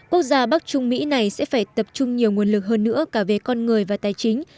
quốc gia bắc trung mỹ này sẽ phải tập trung nhiều nguồn lực hơn nữa cả về con người và tài chính